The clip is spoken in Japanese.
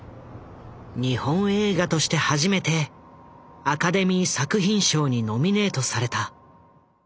日本映画として初めてアカデミー作品賞にノミネートされた。